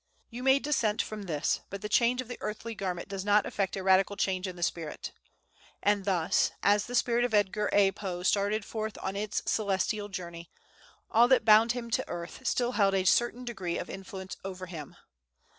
You may dissent from this, but the change of the earthly garment does not effect a radical change in the spirit. And thus, as the spirit of Edgar A. Poe started forth on its celestial journey, all that bound him to earth still held a certain degree of influence over him.